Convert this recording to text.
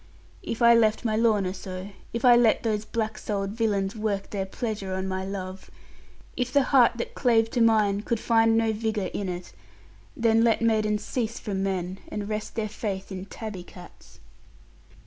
If I left my Lorna so; if I let those black soul'd villains work their pleasure on my love; if the heart that clave to mine could find no vigour in it then let maidens cease from men, and rest their faith in tabby cats.